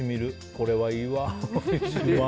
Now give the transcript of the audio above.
これはいいわ。